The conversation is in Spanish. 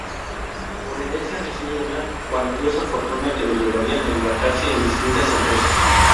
Por herencia recibe una cuantiosa fortuna que lo llevará a embarcarse en distintas empresas.